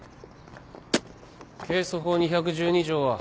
刑訴法２１２条は？